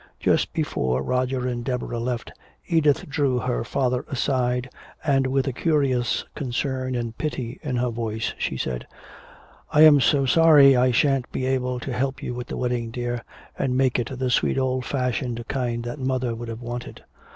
Just before Roger and Deborah left, Edith drew her father aside, and with a curious concern and pity in her voice, she said, "I'm so sorry I shan't be able to help you with the wedding, dear, and make it the sweet old fashioned kind that mother would have wanted.